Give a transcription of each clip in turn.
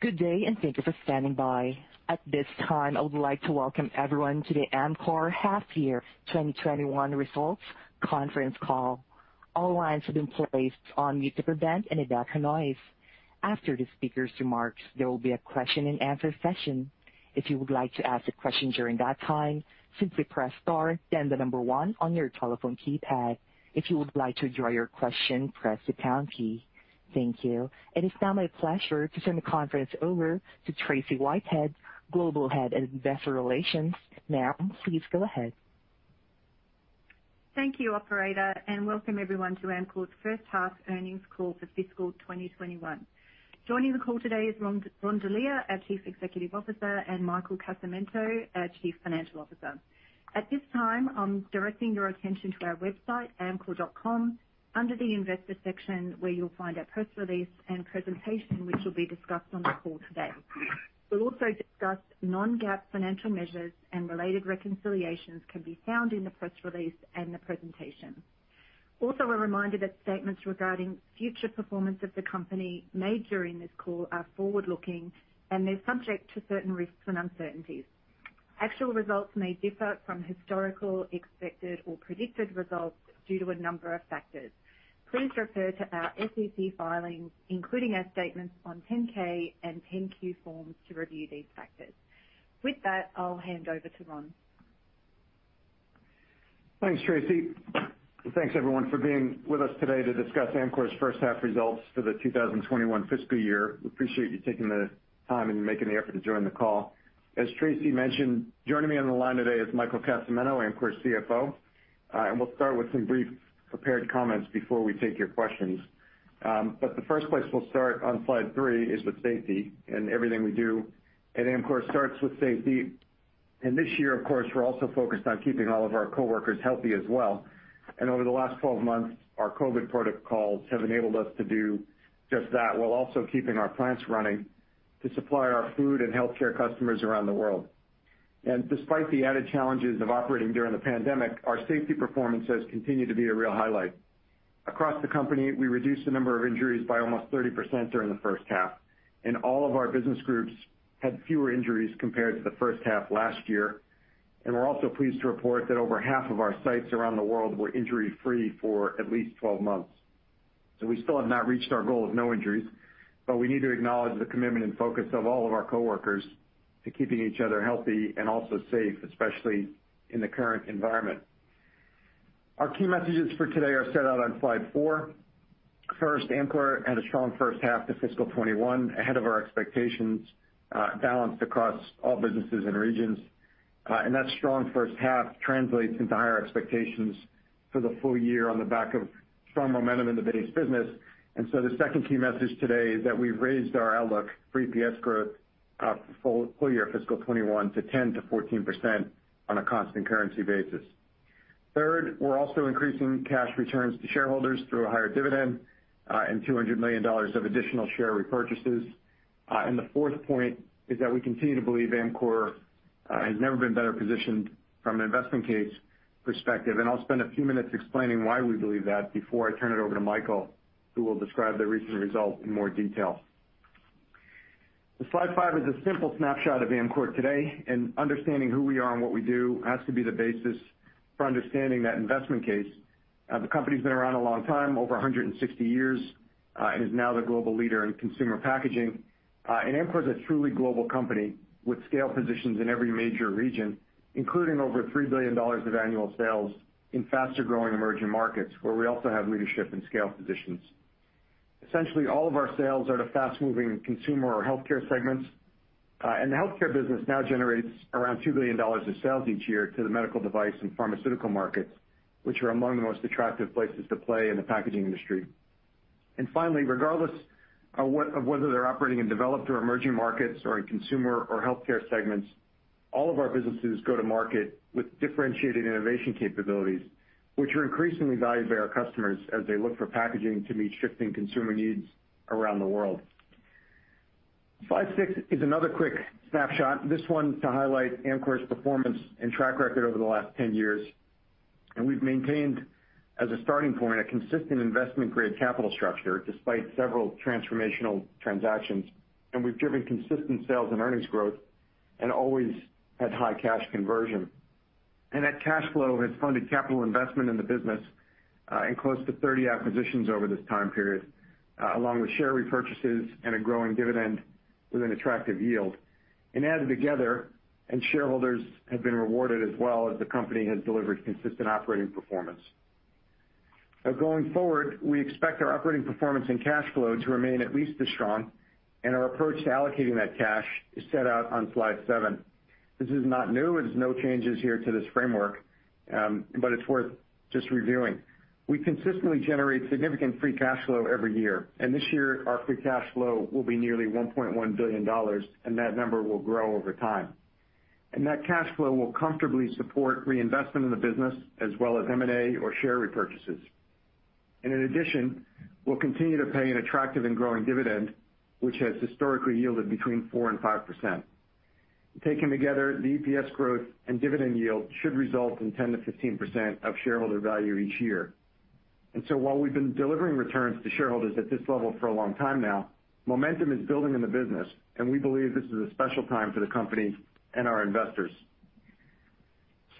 Good day, and thank you for standing by. At this time, I would like to welcome everyone to the Amcor half year 2021 results conference call. Thank you. It is now my pleasure to turn the conference over to Tracey Whitehead, Global Head of Investor Relations. Ma'am, please go ahead. Thank you, operator, and welcome everyone to Amcor's first half earnings call for fiscal 2021. Joining the call today is Ron Delia, our Chief Executive Officer, and Michael Casamento, our Chief Financial Officer. At this time, I'm directing your attention to our website, amcor.com, under the investor section, where you'll find our press release and presentation, which will be discussed on the call today. We'll also discuss non-GAAP financial measures and related reconciliations can be found in the press release and the presentation. A reminder that statements regarding future performance of the company made during this call are forward-looking, and they're subject to certain risks and uncertainties. Actual results may differ from historical, expected, or predicted results due to a number of factors. Please refer to our SEC filings, including our statements on 10-K and 10-Q forms, to review these factors. I'll hand over to Ron. Thanks, Tracey. Thanks everyone for being with us today to discuss Amcor's first half results for the 2021 fiscal year. We appreciate you taking the time and making the effort to join the call. As Tracey mentioned, joining me on the line today is Michael Casamento, Amcor's CFO. We'll start with some brief prepared comments before we take your questions. The first place we'll start on slide three is with safety. Everything we do at Amcor starts with safety. This year, of course, we're also focused on keeping all of our coworkers healthy as well. Over the last 12 months, our COVID protocols have enabled us to do just that, while also keeping our plants running to supply our food and healthcare customers around the world. Despite the added challenges of operating during the pandemic, our safety performance has continued to be a real highlight. Across the company, we reduced the number of injuries by almost 30% during the first half. All of our business groups had fewer injuries compared to the first half last year. We're also pleased to report that over half of our sites around the world were injury-free for at least 12 months. We still have not reached our goal of no injuries, but we need to acknowledge the commitment and focus of all of our coworkers to keeping each other healthy and also safe, especially in the current environment. Our key messages for today are set out on slide four. First, Amcor had a strong first half to fiscal 2021, ahead of our expectations, balanced across all businesses and regions. That strong first half translates into higher expectations for the full year on the back of strong momentum in the base business. The second key message today is that we've raised our outlook for EPS growth for full year fiscal 2021 to 10%-14% on a constant currency basis. Third, we're also increasing cash returns to shareholders through a higher dividend, and $200 million of additional share repurchases. The fourth point is that we continue to believe Amcor has never been better positioned from an investment case perspective. I'll spend a few minutes explaining why we believe that before I turn it over to Michael, who will describe the recent results in more detail. Slide five is a simple snapshot of Amcor today, understanding who we are and what we do has to be the basis for understanding that investment case. The company's been around a long time, over 160 years, and is now the global leader in consumer packaging. Amcor's a truly global company with scale positions in every major region, including over $3 billion of annual sales in faster-growing emerging markets, where we also have leadership and scale positions. Essentially, all of our sales are to fast-moving consumer or healthcare segments. The healthcare business now generates around $2 billion of sales each year to the medical device and pharmaceutical markets, which are among the most attractive places to play in the packaging industry. Finally, regardless of whether they're operating in developed or emerging markets or in consumer or healthcare segments, all of our businesses go to market with differentiated innovation capabilities, which are increasingly valued by our customers as they look for packaging to meet shifting consumer needs around the world. Slide six is another quick snapshot, this one to highlight Amcor's performance and track record over the last 10 years. We've maintained, as a starting point, a consistent investment-grade capital structure, despite several transformational transactions. We've driven consistent sales and earnings growth and always had high cash conversion. That cash flow has funded capital investment in the business, and close to 30 acquisitions over this time period, along with share repurchases and a growing dividend with an attractive yield. Added together, and shareholders have been rewarded as well as the company has delivered consistent operating performance. Now going forward, we expect our operating performance and cash flow to remain at least as strong, and our approach to allocating that cash is set out on slide seven. This is not new. There's no changes here to this framework. It's worth just reviewing. We consistently generate significant free cash flow every year, this year our free cash flow will be nearly $1.1 billion, that number will grow over time. That cash flow will comfortably support reinvestment in the business as well as M&A or share repurchases. In addition, we'll continue to pay an attractive and growing dividend, which has historically yielded between 4% and 5%. Taken together, the EPS growth and dividend yield should result in 10%-15% of shareholder value each year. While we've been delivering returns to shareholders at this level for a long time now, momentum is building in the business, and we believe this is a special time for the company and our investors.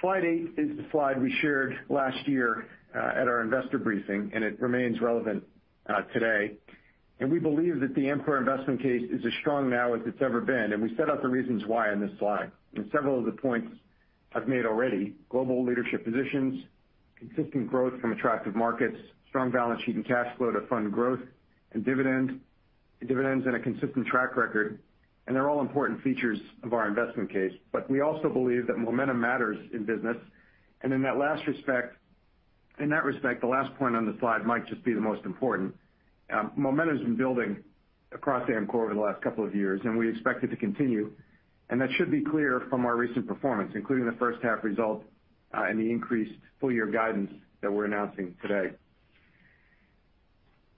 Slide eight is the slide we shared last year at our investor briefing, and it remains relevant today. We believe that the Amcor investment case is as strong now as it's ever been, and we set out the reasons why in this slide. Several of the points I've made already, global leadership positions, consistent growth from attractive markets, strong balance sheet and cash flow to fund growth and dividends, and a consistent track record, and they're all important features of our investment case. We also believe that momentum matters in business. In that respect, the last point on the slide might just be the most important. Momentum's been building across Amcor over the last couple of years, and we expect it to continue, and that should be clear from our recent performance, including the first half results, and the increased full-year guidance that we're announcing today.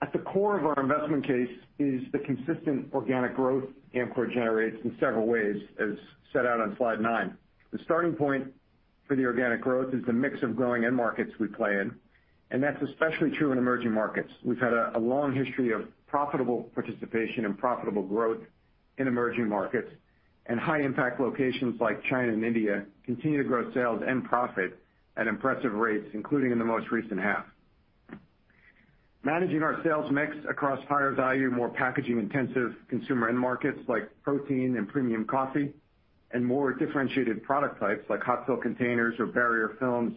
At the core of our investment case is the consistent organic growth Amcor generates in several ways, as set out on slide nine. The starting point for the organic growth is the mix of growing end markets we play in, that's especially true in emerging markets. We've had a long history of profitable participation and profitable growth in emerging markets and high-impact locations like China and India continue to grow sales and profit at impressive rates, including in the most recent half. Managing our sales mix across higher value, more packaging-intensive consumer end markets like protein and premium coffee and more differentiated product types like hot fill containers or barrier films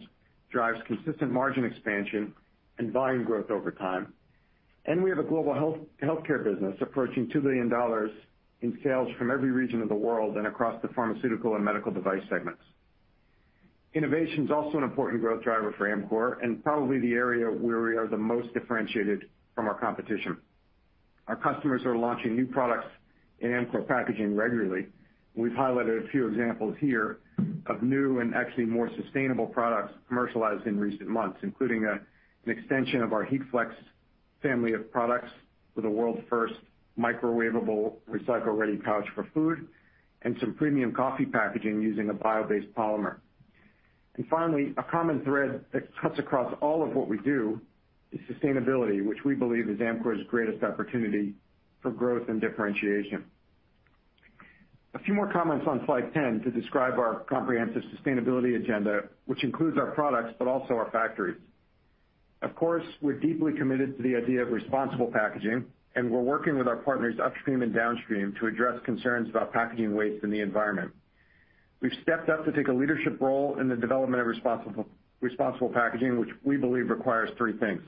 drives consistent margin expansion and volume growth over time. We have a global healthcare business approaching $2 billion in sales from every region of the world and across the pharmaceutical and medical device segments. Innovation's also an important growth driver for Amcor and probably the area where we are the most differentiated from our competition. Our customers are launching new products in Amcor packaging regularly. We've highlighted a few examples here of new and actually more sustainable products commercialized in recent months, including an extension of our HeatFlex family of products for the world's first microwaveable recycle-ready pouch for food and some premium coffee packaging using a bio-based polymer. Finally, a common thread that cuts across all of what we do is sustainability, which we believe is Amcor's greatest opportunity for growth and differentiation. A few more comments on slide 10 to describe our comprehensive sustainability agenda, which includes our products, but also our factories. Of course, we're deeply committed to the idea of responsible packaging. We're working with our partners upstream and downstream to address concerns about packaging waste in the environment. We've stepped up to take a leadership role in the development of responsible packaging, which we believe requires three things.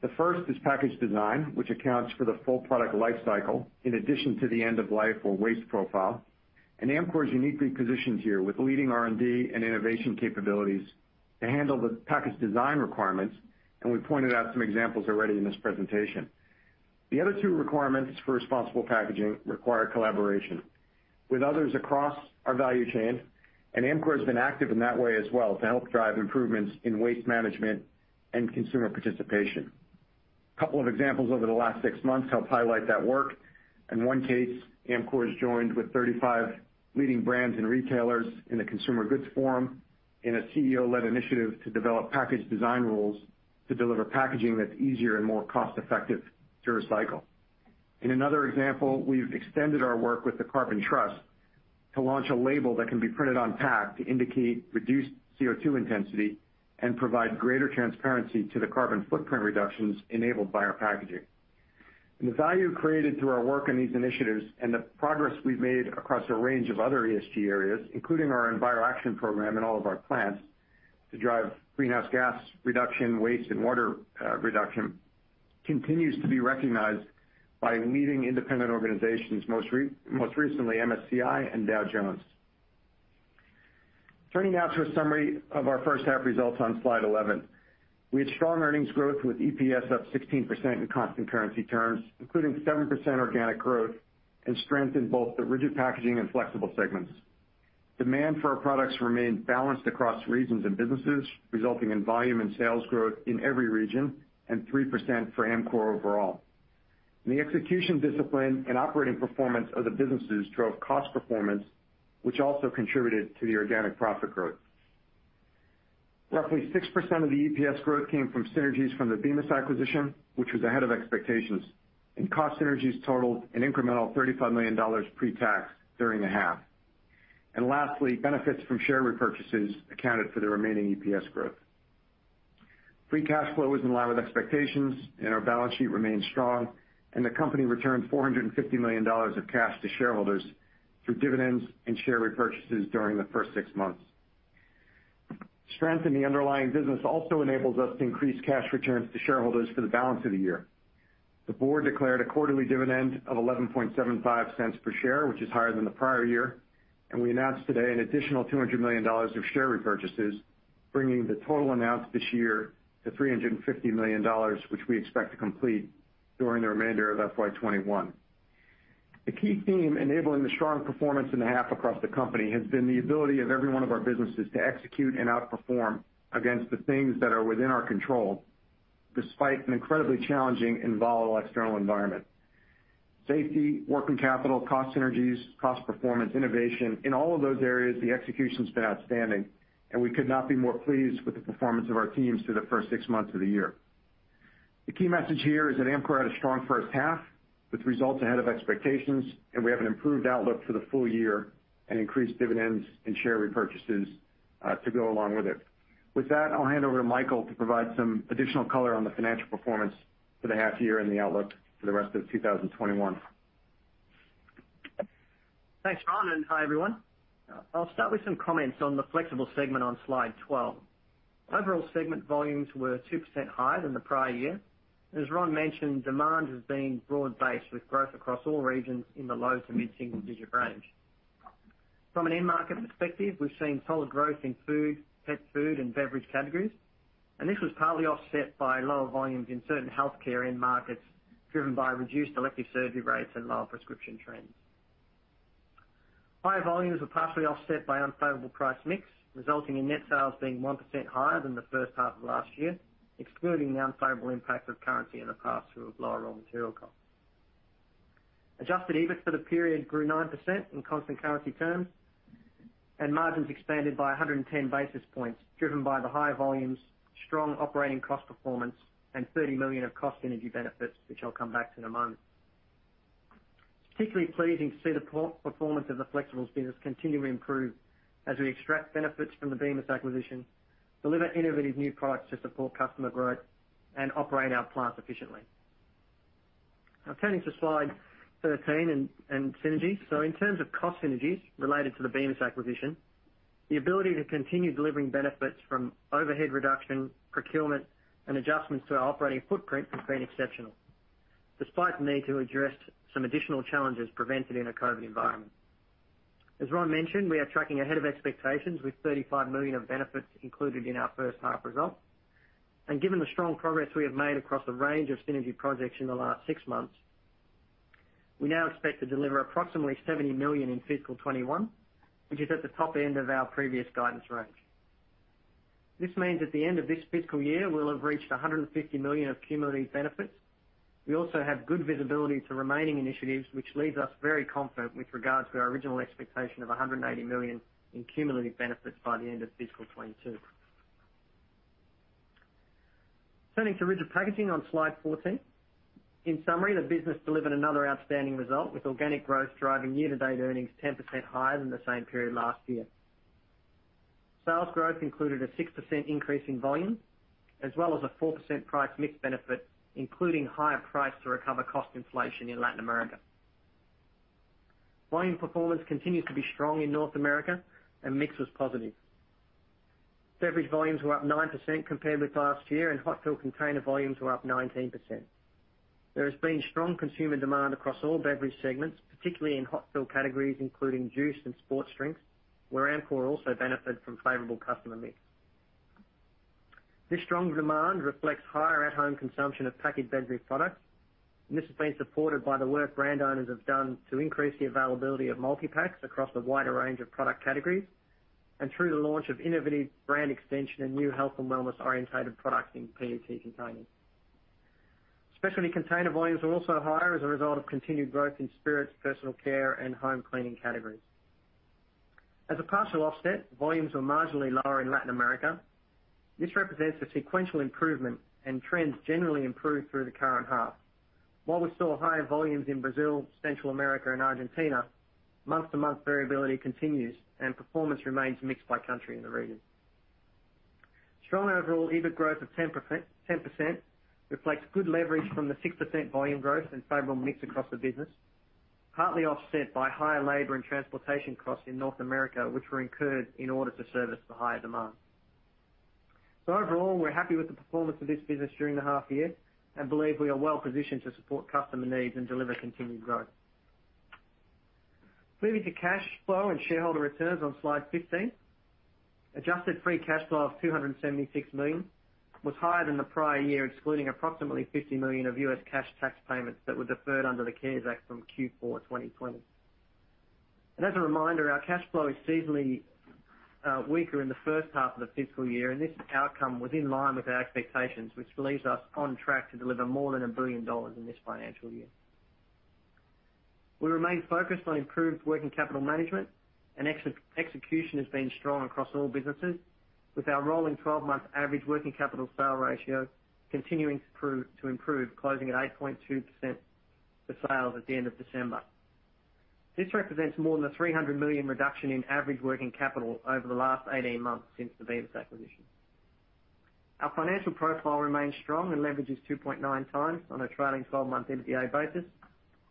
The first is package design, which accounts for the full product life cycle, in addition to the end of life or waste profile. Amcor is uniquely positioned here with leading R&D and innovation capabilities to handle the package design requirements, and we pointed out some examples already in this presentation. The other two requirements for responsible packaging require collaboration with others across our value chain, and Amcor's been active in that way as well to help drive improvements in waste management and consumer participation. A couple of examples over the last six months help highlight that work. In one case, Amcor's joined with 35 leading brands and retailers in the Consumer Goods Forum in a CEO-led initiative to develop package design rules to deliver packaging that's easier and more cost-effective to recycle. In another example, we've extended our work with the Carbon Trust to launch a label that can be printed on pack to indicate reduced CO2 intensity and provide greater transparency to the carbon footprint reductions enabled by our packaging. The value created through our work on these initiatives and the progress we've made across a range of other ESG areas, including our EnviroAction program in all of our plants to drive greenhouse gas reduction, waste and water reduction, continues to be recognized by leading independent organizations, most recently MSCI and Dow Jones. Turning now to a summary of our first half results on slide 11. We had strong earnings growth with EPS up 16% in constant currency terms, including 7% organic growth and strength in both the rigid packaging and flexible segments. Demand for our products remained balanced across regions and businesses, resulting in volume and sales growth in every region and 3% for Amcor overall. The execution discipline and operating performance of the businesses drove cost performance, which also contributed to the organic profit growth. Roughly 6% of the EPS growth came from synergies from the Bemis acquisition, which was ahead of expectations, and cost synergies totaled an incremental $35 million pre-tax during the half. Lastly, benefits from share repurchases accounted for the remaining EPS growth. Free cash flow is in line with expectations, and our balance sheet remains strong, and the company returned $450 million of cash to shareholders through dividends and share repurchases during the first six months. Strength in the underlying business also enables us to increase cash returns to shareholders for the balance of the year. The board declared a quarterly dividend of $11.75 per share, which is higher than the prior year. We announced today an additional $200 million of share repurchases, bringing the total announced this year to $350 million, which we expect to complete during the remainder of FY 2021. The key theme enabling the strong performance in the half across the company has been the ability of every one of our businesses to execute and outperform against the things that are within our control. Despite an incredibly challenging and volatile external environment. Safety, working capital, cost synergies, cost performance, innovation, in all of those areas, the execution's been outstanding. We could not be more pleased with the performance of our teams through the first six months of the year. The key message here is that Amcor had a strong first half with results ahead of expectations, and we have an improved outlook for the full year and increased dividends and share repurchases to go along with it. With that, I'll hand over to Michael to provide some additional color on the financial performance for the half-year and the outlook for the rest of 2021. Thanks, Ron, and hi, everyone. I'll start with some comments on the Flexible Segment on slide 12. Overall segment volumes were 2% higher than the prior year. As Ron mentioned, demand has been broad-based with growth across all regions in the low to mid-single digit range. From an end market perspective, we've seen solid growth in food, pet food, and beverage categories, and this was partly offset by lower volumes in certain healthcare end markets, driven by reduced elective surgery rates and lower prescription trends. Higher volumes were partially offset by unfavorable price mix, resulting in net sales being 1% higher than the first half of last year, excluding the unfavorable impact of currency and the pass-through of lower raw material costs. Adjusted EBIT for the period grew 9% in constant currency terms, and margins expanded by 110 basis points, driven by the higher volumes, strong operating cost performance, and $30 million of cost synergy benefits, which I'll come back to in a moment. Particularly pleasing to see the performance of the Flexibles business continue to improve as we extract benefits from the Bemis acquisition, deliver innovative new products to support customer growth, and operate our plants efficiently. Now turning to slide 13 and synergies. In terms of cost synergies related to the Bemis acquisition, the ability to continue delivering benefits from overhead reduction, procurement, and adjustments to our operating footprint has been exceptional, despite the need to address some additional challenges presented in a COVID-19 environment. As Ron mentioned, we are tracking ahead of expectations with $35 million of benefits included in our first half results. Given the strong progress we have made across a range of synergy projects in the last six months, we now expect to deliver approximately $70 million in fiscal 2021, which is at the top end of our previous guidance range. This means at the end of this fiscal year, we'll have reached $150 million of cumulative benefits. We also have good visibility to remaining initiatives, which leaves us very confident with regards to our original expectation of $190 million in cumulative benefits by the end of fiscal 2022. Turning to Rigid Packaging on slide 14. In summary, the business delivered another outstanding result with organic growth driving year-to-date earnings 10% higher than the same period last year. Sales growth included a 6% increase in volume, as well as a 4% price mix benefit, including higher price to recover cost inflation in Latin America. Volume performance continued to be strong in North America, and mix was positive. Beverage volumes were up 9% compared with last year, and hot-fill container volumes were up 19%. There has been strong consumer demand across all beverage segments, particularly in hot-fill categories, including juice and sports drinks, where Amcor also benefited from favorable customer mix. This strong demand reflects higher at-home consumption of packaged beverage products, and this has been supported by the work brand owners have done to increase the availability of multipacks across a wider range of product categories, and through the launch of innovative brand extension and new health and wellness orientated products in PET containers. Specialty container volumes were also higher as a result of continued growth in spirits, personal care, and home cleaning categories. As a partial offset, volumes were marginally lower in Latin America. This represents a sequential improvement, and trends generally improved through the current half. While we saw higher volumes in Brazil, Central America, and Argentina, month-to-month variability continues, and performance remains mixed by country in the region. Strong overall EBIT growth of 10% reflects good leverage from the 6% volume growth and favorable mix across the business, partly offset by higher labor and transportation costs in North America, which were incurred in order to service the higher demand. Overall, we're happy with the performance of this business during the half year and believe we are well positioned to support customer needs and deliver continued growth. Moving to cash flow and shareholder returns on slide 15. Adjusted free cash flow of $276 million was higher than the prior year, excluding approximately $50 million of U.S. cash tax payments that were deferred under the CARES Act from Q4 2020. As a reminder, our cash flow is seasonally weaker in the first half of the fiscal year. This outcome was in line with our expectations, which leaves us on track to deliver more than $1 billion in this financial year. We remain focused on improved working capital management. Execution has been strong across all businesses, with our rolling 12-month average working capital sale ratio continuing to improve, closing at 8.2% of sales at the end of December. This represents more than a $300 million reduction in average working capital over the last 18 months since the Bemis acquisition. Our financial profile remains strong. Leverage is 2.9 times on a trailing 12-month EBITDA basis,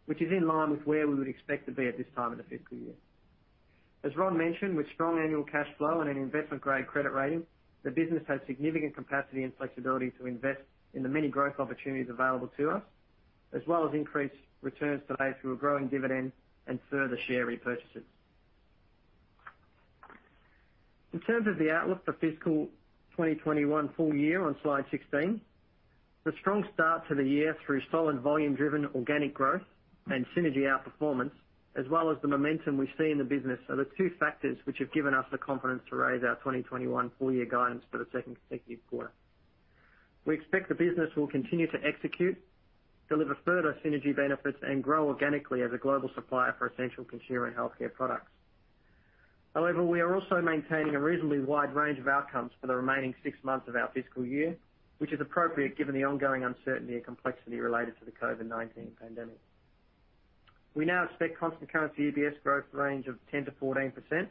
which is in line with where we would expect to be at this time of the fiscal year. As Ron mentioned, with strong annual cash flow and an investment-grade credit rating, the business has significant capacity and flexibility to invest in the many growth opportunities available to us, as well as increased returns today through a growing dividend and further share repurchases. In terms of the outlook for fiscal 2021 full year on slide 16, the strong start to the year through solid volume-driven organic growth and synergy outperformance, as well as the momentum we see in the business, are the two factors which have given us the confidence to raise our 2021 full-year guidance for the second consecutive quarter. We expect the business will continue to execute, deliver further synergy benefits, and grow organically as a global supplier for essential consumer and healthcare products. We are also maintaining a reasonably wide range of outcomes for the remaining six months of our fiscal year, which is appropriate given the ongoing uncertainty and complexity related to the COVID-19 pandemic. We now expect constant currency EPS growth range of 10%-14%.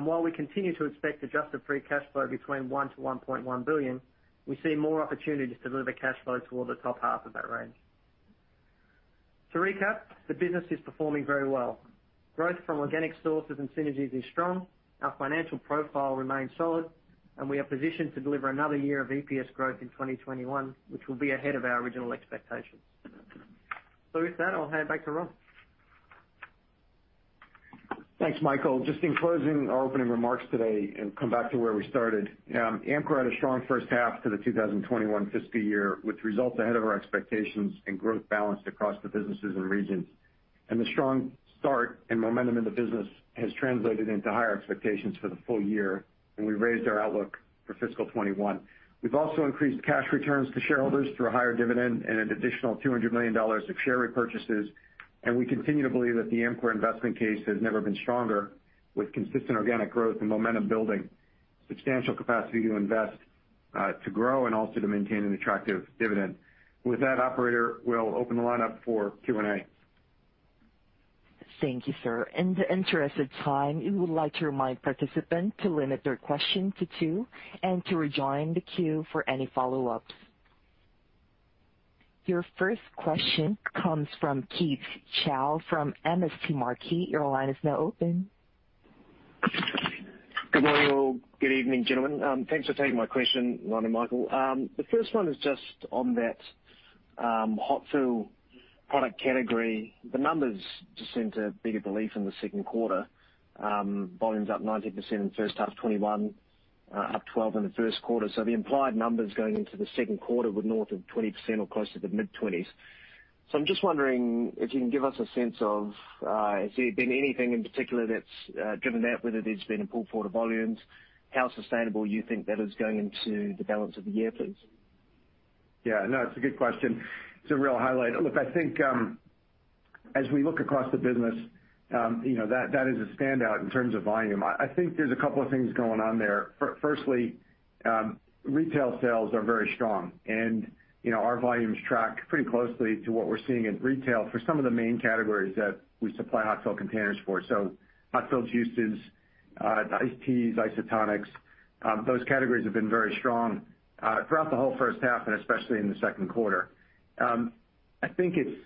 While we continue to expect adjusted free cash flow between $1 billion-$1.1 billion, we see more opportunities to deliver cash flow toward the top half of that range. To recap, the business is performing very well. Growth from organic sources and synergies is strong. Our financial profile remains solid. We are positioned to deliver another year of EPS growth in 2021, which will be ahead of our original expectations. With that, I'll hand it back to Ron. Thanks, Michael. In closing our opening remarks today and come back to where we started. Amcor had a strong first half to the 2021 fiscal year, with results ahead of our expectations and growth balanced across the businesses and regions. The strong start and momentum in the business has translated into higher expectations for the full year, and we've raised our outlook for fiscal 2021. We've also increased cash returns to shareholders through a higher dividend and an additional $200 million of share repurchases. We continue to believe that the Amcor investment case has never been stronger, with consistent organic growth and momentum building substantial capacity to invest, to grow, and also to maintain an attractive dividend. With that, operator, we'll open the line up for Q&A. Thank you, sir. Your first question comes from Keith Chau from MST Marquee. Your line is now open. Good morning, all. Good evening, gentlemen. Thanks for taking my question, Ron and Michael. The first one is just on that hot fill product category. The numbers just seemed a bigger beat in the second quarter. Volumes up 19% in the first half of 2021, up 12% in the first quarter. The implied numbers going into the second quarter were north of 20% or close to the mid-20s. I'm just wondering if you can give us a sense of, has there been anything in particular that's driven that, whether it's been in pull-forward volumes, how sustainable you think that is going into the balance of the year, please? It's a good question. It's a real highlight. I think as we look across the business, that is a standout in terms of volume. I think there's a couple of things going on there. Firstly, retail sales are very strong, and our volumes track pretty closely to what we're seeing in retail for some of the main categories that we supply hot fill containers for. Hot fills, juices, iced teas, isotonics, those categories have been very strong, throughout the whole first half and especially in the second quarter. I think it's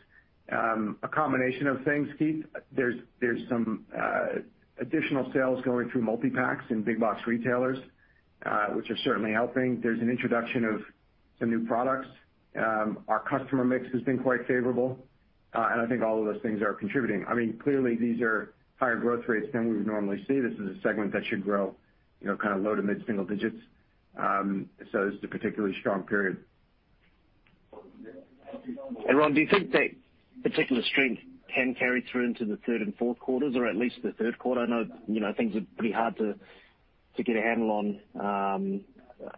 a combination of things, Keith. There's some additional sales going through multi-packs in big box retailers, which are certainly helping. There's an introduction of some new products. Our customer mix has been quite favorable. I think all of those things are contributing. Clearly, these are higher growth rates than we would normally see. This is a segment that should grow low to mid-single digits. This is a particularly strong period. Ron, do you think that particular strength can carry through into the third and fourth quarters, or at least the third quarter? I know things are pretty hard to get a handle on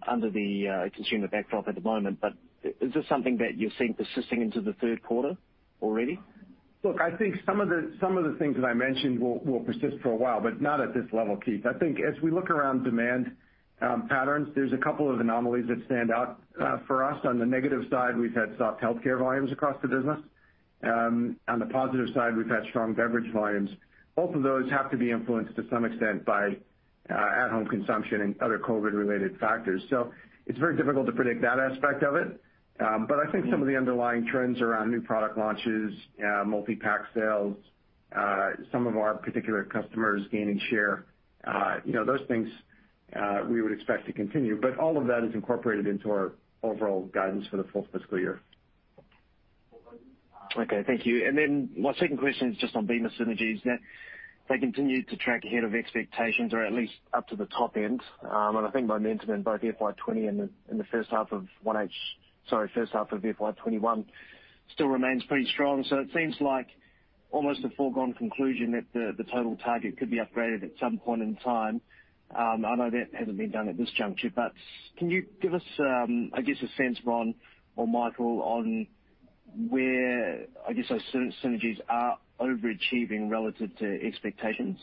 under the consumer backdrop at the moment, but is this something that you're seeing persisting into the third quarter already? Look, I think some of the things that I mentioned will persist for a while, but not at this level, Keith. I think as we look around demand patterns, there's a couple of anomalies that stand out. For us, on the negative side, we've had soft healthcare volumes across the business. On the positive side, we've had strong beverage volumes. Both of those have to be influenced to some extent by at-home consumption and other COVID-19-related factors. It's very difficult to predict that aspect of it. I think some of the underlying trends around new product launches, multi-pack sales, some of our particular customers gaining share, those things we would expect to continue. All of that is incorporated into our overall guidance for the full fiscal year. Okay. Thank you. Then my second question is just on Bemis synergies. Now, they continue to track ahead of expectations, or at least up to the top end. I think momentum in both FY 2020 and the first half of FY 2021 still remains pretty strong. It seems like almost a foregone conclusion that the total target could be upgraded at some point in time. I know that hasn't been done at this juncture, but can you give us, I guess, a sense, Ron or Michael, on where those synergies are overachieving relative to expectations?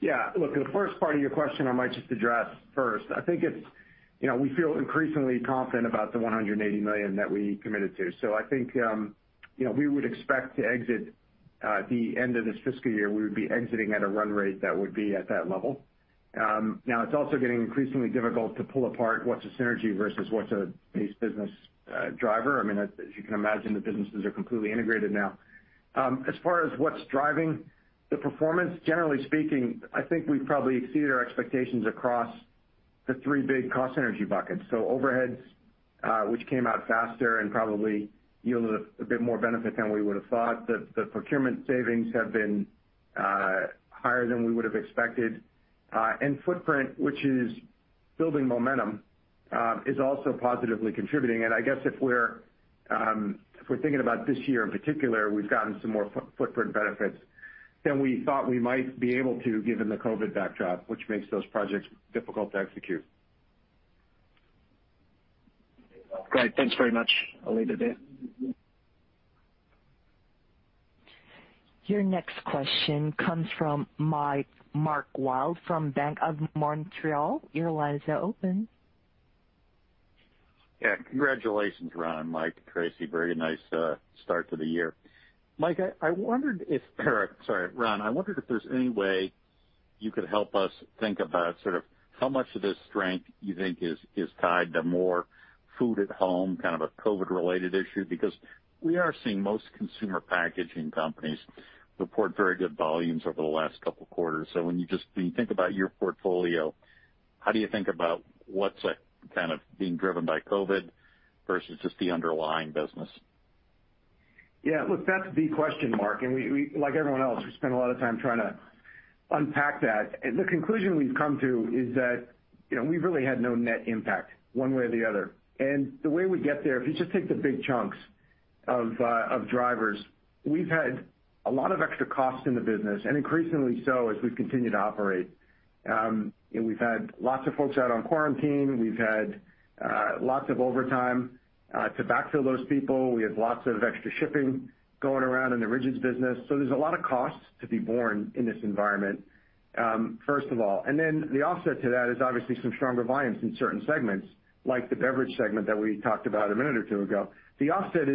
Yeah. Look, the first part of your question I might just address first. I think we feel increasingly confident about the $180 million that we committed to. I think we would expect to exit the end of this fiscal year, we would be exiting at a run rate that would be at that level. Now, it's also getting increasingly difficult to pull apart what's a synergy versus what's a base business driver. As you can imagine, the businesses are completely integrated now. As far as what's driving the performance, generally speaking, I think we've probably exceeded our expectations across the three big cost synergy buckets. Overheads, which came out faster and probably yielded a bit more benefit than we would've thought. The procurement savings have been higher than we would've expected. Footprint, which is building momentum, is also positively contributing. I guess if we're thinking about this year in particular, we've gotten some more footprint benefits than we thought we might be able to given the COVID backdrop, which makes those projects difficult to execute. Great. Thanks very much. I'll leave it there. Your next question comes from Mark Wilde from Bank of Montreal. Your line is now open. Yeah. Congratulations, Ron, Michael, Tracey. Very nice start to the year. Ron, I wondered if there's any way you could help us think about how much of this strength you think is tied to more food at home, kind of a COVID-related issue, because we are seeing most consumer packaging companies report very good volumes over the last couple of quarters. When you think about your portfolio, how do you think about what's being driven by COVID versus just the underlying business? Yeah. Look, that's the question, Mark, like everyone else, we spend a lot of time trying to unpack that. The conclusion we've come to is that, we've really had no net impact one way or the other. The way we get there, if you just take the big chunks of drivers, we've had a lot of extra costs in the business, and increasingly so as we've continued to operate. We've had lots of folks out on quarantine. We've had lots of overtime to backfill those people. We have lots of extra shipping going around in the Rigids business. There's a lot of costs to be borne in this environment, first of all. The offset to that is obviously some stronger volumes in certain segments, like the beverage segment that we talked about a minute or two ago. The offset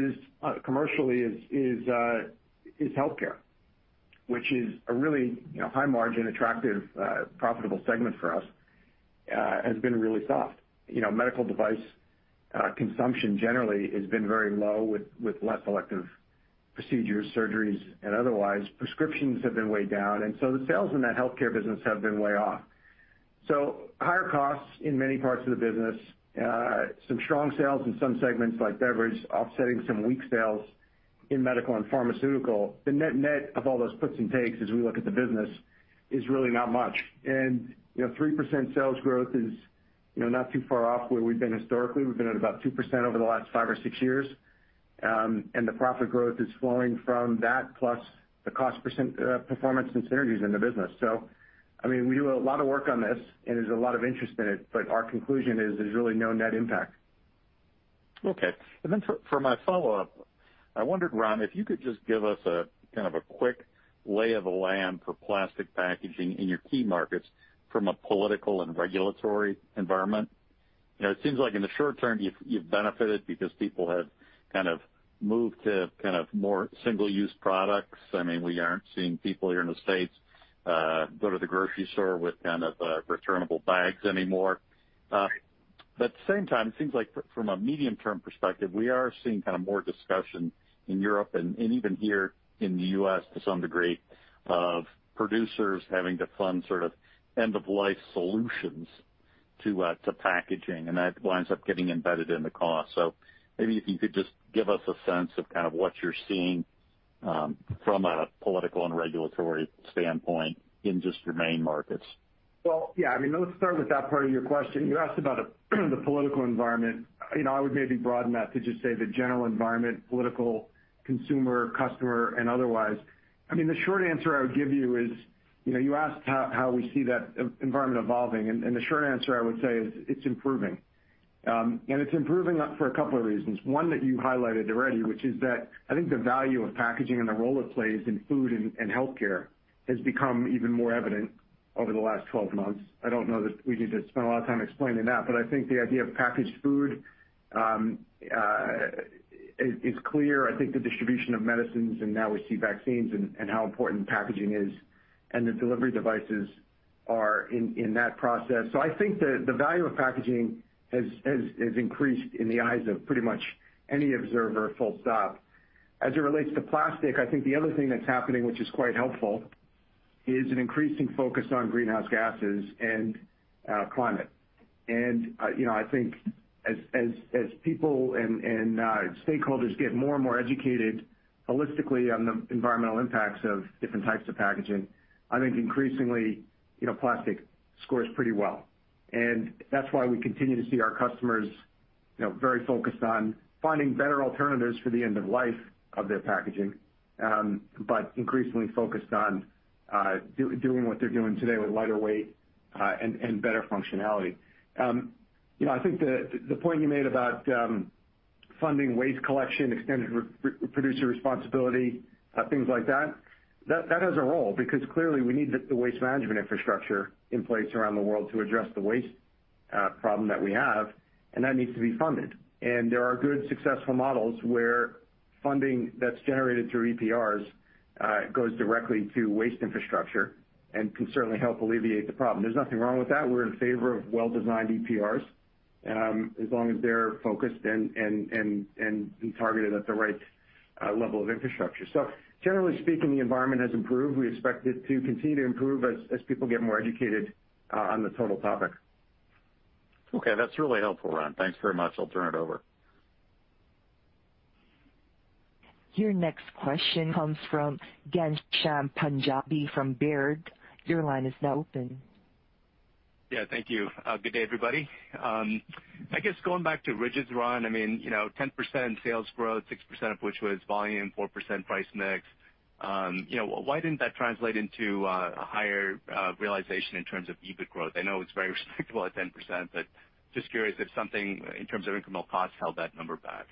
commercially is healthcare, which is a really high margin, attractive, profitable segment for us, has been really soft. Medical device consumption generally has been very low with less elective procedures, surgeries, and otherwise. Prescriptions have been way down. The sales in that healthcare business have been way off. Higher costs in many parts of the business, some strong sales in some segments like beverage offsetting some weak sales in medical and pharmaceutical. The net of all those puts and takes as we look at the business is really not much. 3% sales growth is not too far off where we've been historically. We've been at about 2% over the last five or six years. The profit growth is flowing from that plus the cost performance synergies in the business. We do a lot of work on this, and there's a lot of interest in it, but our conclusion is there's really no net impact. Okay. For my follow-up, I wondered, Ron, if you could just give us a quick lay of the land for plastic packaging in your key markets from a political and regulatory environment. It seems like in the short term, you've benefited because people have moved to more single-use products. We aren't seeing people here in the United States go to the grocery store with returnable bags anymore. At the same time, it seems like from a medium-term perspective, we are seeing more discussion in Europe and even here in the U.S. to some degree, of producers having to fund end-of-life solutions to packaging, and that winds up getting embedded in the cost. Maybe if you could just give us a sense of what you're seeing from a political and regulatory standpoint in just your main markets. Well, yeah. Let's start with that part of your question. You asked about the political environment. I would maybe broaden that to just say the general environment, political, consumer, customer, and otherwise. The short answer I would give you is, you asked how we see that environment evolving, and the short answer I would say is it's improving. It's improving for a couple of reasons. One that you highlighted already, which is that I think the value of packaging and the role it plays in food and healthcare has become even more evident over the last 12 months. I don't know that we need to spend a lot of time explaining that, but I think the idea of packaged food is clear. I think the distribution of medicines, and now we see vaccines, and how important packaging is, and the delivery devices are in that process. I think the value of packaging has increased in the eyes of pretty much any observer, full stop. As it relates to plastic, I think the other thing that's happening which is quite helpful is an increasing focus on greenhouse gases and climate. I think as people and stakeholders get more and more educated holistically on the environmental impacts of different types of packaging, I think increasingly, plastic scores pretty well. That's why we continue to see our customers very focused on finding better alternatives for the end of life of their packaging, but increasingly focused on doing what they're doing today with lighter weight and better functionality. I think the point you made about funding waste collection, extended producer responsibility, things like that has a role because clearly we need the waste management infrastructure in place around the world to address the waste problem that we have, and that needs to be funded. There are good, successful models where funding that's generated through EPRs goes directly to waste infrastructure and can certainly help alleviate the problem. There's nothing wrong with that. We're in favor of well-designed EPRs, as long as they're focused and targeted at the right level of infrastructure. Generally speaking, the environment has improved. We expect it to continue to improve as people get more educated on the total topic. Okay. That's really helpful, Ron. Thanks very much. I'll turn it over. Your next question comes from Ghansham Panjabi from Baird. Your line is now open. Yeah. Thank you. Good day, everybody. I guess going back to Rigids, Ron, 10% sales growth, 6% of which was volume, 4% price mix. Why didn't that translate into a higher realization in terms of EBIT growth? I know it's very respectable at 10%, but just curious if something, in terms of incremental cost, held that number back.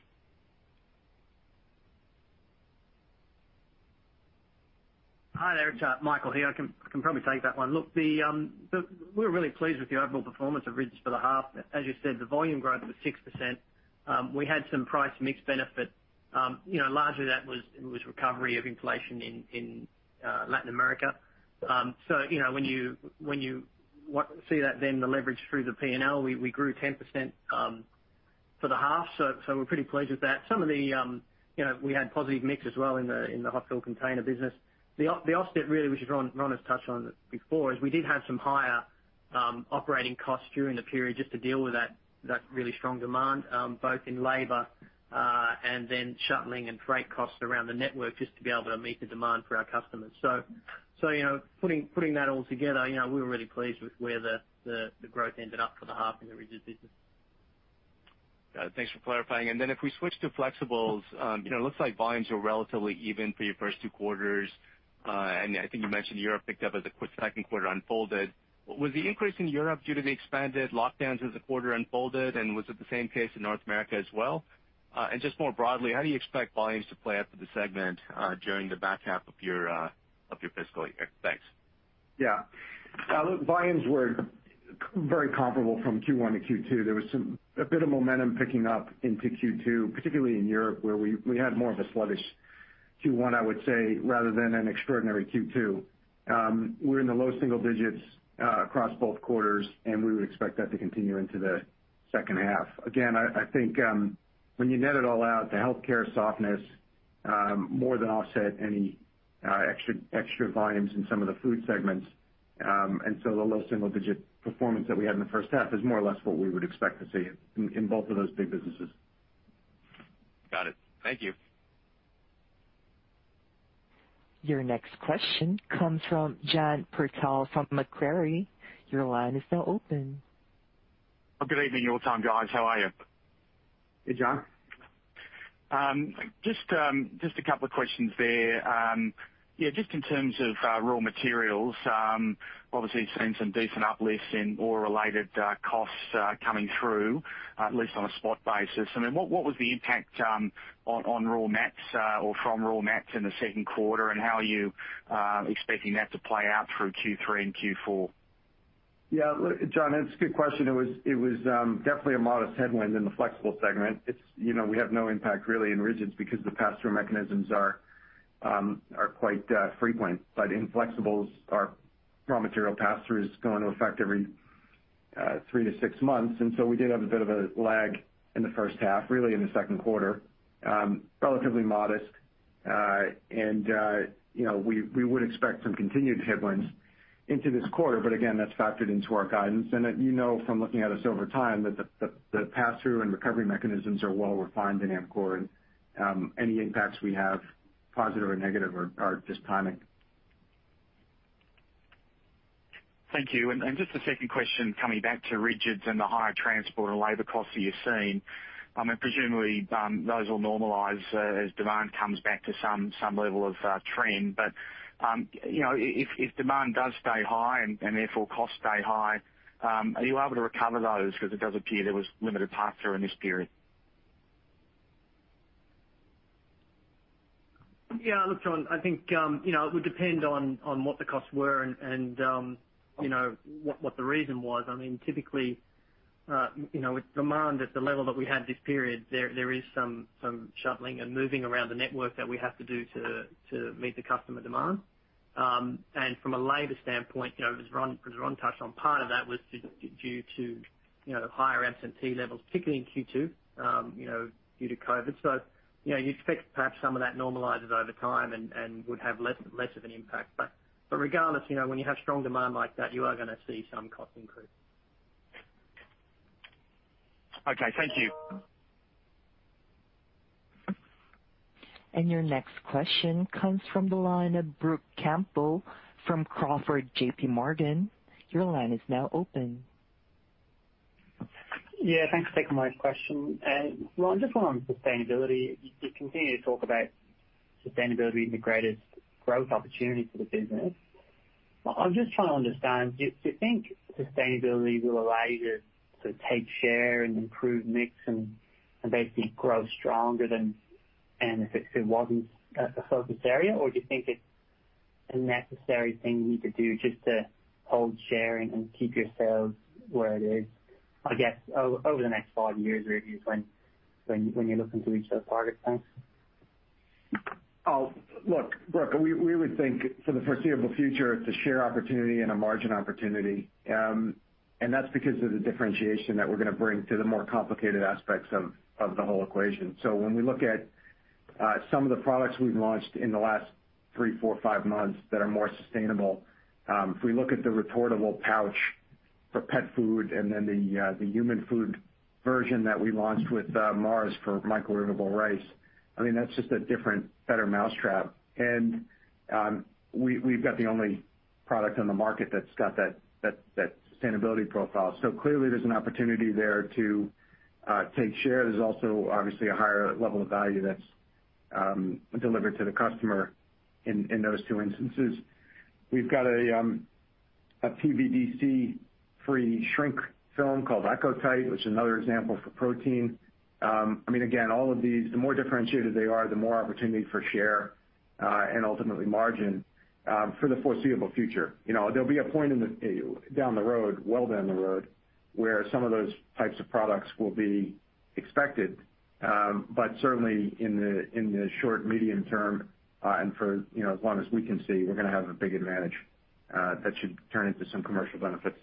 Hi there, it's Michael here. I can probably take that one. We're really pleased with the overall performance of Rigids for the half. As you said, the volume growth was 6%. We had some price mix benefit. Largely that was recovery of inflation in Latin America. When you see that, then the leverage through the P&L, we grew 10% for the half. We're pretty pleased with that. We had positive mix as well in the Hot Fill container business. The offset really, which Ron has touched on before, is we did have some higher operating costs during the period just to deal with that really strong demand both in labor and then shuttling and freight costs around the network just to be able to meet the demand for our customers. Putting that all together, we were really pleased with where the growth ended up for the half in the Rigid business. Got it. Thanks for clarifying. If we switch to Flexibles. It looks like volumes were relatively even for your first two quarters. I think you mentioned Europe picked up as the second quarter unfolded. Was the increase in Europe due to the expanded lockdowns as the quarter unfolded, and was it the same case in North America as well? Just more broadly, how do you expect volumes to play out for the segment during the back half of your fiscal year? Thanks. Yeah. Look, volumes were very comparable from Q1 to Q2. There was a bit of momentum picking up into Q2, particularly in Europe, where we had more of a sluggish Q1, I would say, rather than an extraordinary Q2. We're in the low single digits across both quarters, and we would expect that to continue into the second half. Again, I think, when you net it all out, the healthcare softness more than offset any extra volumes in some of the food segments. The low single-digit performance that we had in the first half is more or less what we would expect to see in both of those big businesses. Got it. Thank you. Your next question comes from John Purtell from Macquarie. Your line is now open. Good evening your time, guys. How are you? Hey, John. Just a couple of questions there. Yeah, just in terms of raw materials, obviously seen some decent uplifts in oil-related costs coming through, at least on a spot basis. What was the impact on raw mats or from raw mats in the second quarter, and how are you expecting that to play out through Q3 and Q4? Yeah, John, it's a good question. It was definitely a modest headwind in the flexible segment. We have no impact really in Rigids because the pass-through mechanisms are quite frequent. In flexibles, our raw material pass-through is going to affect every three to six months. We did have a bit of a lag in the first half, really in the second quarter. Relatively modest. We would expect some continued headwinds into this quarter, but again, that's factored into our guidance. You know from looking at us over time that the pass-through and recovery mechanisms are well refined in Amcor, and any impacts we have, positive or negative, are just timing. Thank you. Just a second question coming back to Rigids and the higher transport and labor costs that you're seeing. Presumably, those will normalize as demand comes back to some level of trend. If demand does stay high and therefore costs stay high, are you able to recover those? Because it does appear there was limited pass-through in this period. Look, John, I think it would depend on what the costs were and what the reason was. Typically, with demand at the level that we had this period, there is some shuttling and moving around the network that we have to do to meet the customer demand. From a labor standpoint, as Ron touched on, part of that was due to higher absentee levels, particularly in Q2, due to COVID. You'd expect perhaps some of that normalizes over time and would have less of an impact. Regardless, when you have strong demand like that, you are going to see some cost increase. Okay. Thank you. Your next question comes from the line of Brook Campbell-Crawford, JPMorgan. Your line is now open. Yeah, thanks for taking my question. Ron, just on sustainability, you continue to talk about sustainability as the greatest growth opportunity for the business. I'm just trying to understand. Do you think sustainability will allow you to take share and improve mix and basically grow stronger than if it wasn't a focus area? Or do you think it's a necessary thing you need to do just to hold share and keep your sales where it is, I guess, over the next five years, really, when you're looking to reach those targets? Thanks. Look, Brook, we would think for the foreseeable future, it's a share opportunity and a margin opportunity. That's because of the differentiation that we're going to bring to the more complicated aspects of the whole equation. When we look at some of the products we've launched in the last three, four, five months that are more sustainable. If we look at the retortable pouch for pet food and then the human food version that we launched with Mars for microwaveable rice, that's just a different, better mousetrap. We've got the only product on the market that's got that sustainability profile. Clearly there's an opportunity there to take share. There's also obviously a higher level of value that's delivered to the customer in those two instances. We've got a PVDC-free shrink film called Eco-Tite, which is another example for protein. Again, all of these, the more differentiated they are, the more opportunity for share and ultimately margin for the foreseeable future. There'll be a point down the road, well down the road, where some of those types of products will be expected. But certainly in the short, medium term, and for as long as we can see, we're going to have a big advantage that should turn into some commercial benefits.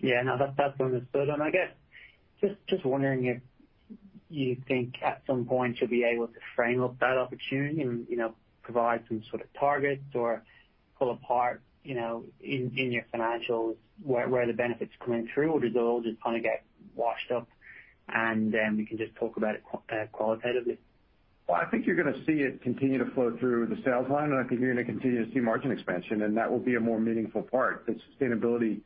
Yeah. No, that's understood. I guess just wondering if you think at some point you'll be able to frame up that opportunity and provide some sort of targets or pull apart in your financials where the benefit's coming through or does it all just kind of get washed up and then we can just talk about it qualitatively? I think you're going to see it continue to flow through the sales line, and I think you're going to continue to see margin expansion, and that will be a more meaningful part. The sustainability